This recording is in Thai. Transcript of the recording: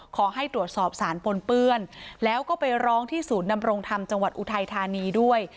ขอให้ตรวจสอบสารปนเปื้อนแล้วก็ไปร้องที่ศูนย์ดำรงธรรมจังหวัดอุทัยธานีด้วย